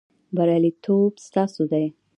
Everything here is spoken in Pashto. بریالیتوب ستاسو دی